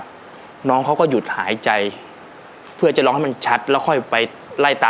แล้วน้องเขาก็หยุดหายใจเพื่อจะร้องให้มันชัดแล้วค่อยไปไล่ตา